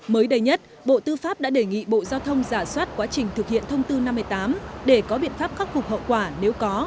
mới đây nhất bộ tư pháp đã đề nghị bộ giao thông giả soát quá trình thực hiện thông tư năm mươi tám để có biện pháp khắc phục hậu quả nếu có